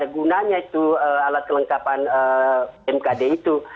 gunanya itu alat kelengkapan mkd itu